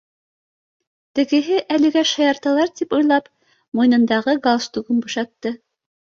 Тегеһе әлегә шаярталыр тип уйлап, муйынындағы гал стугын бушатты